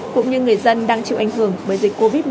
cũng như người dân đang chịu ảnh hưởng bởi dịch covid một mươi chín